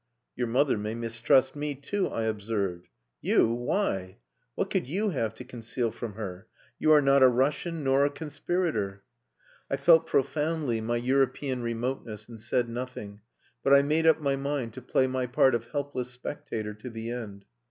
"Your mother may mistrust me too," I observed. "You! Why? What could you have to conceal from her? You are not a Russian nor a conspirator." I felt profoundly my European remoteness, and said nothing, but I made up my mind to play my part of helpless spectator to the end.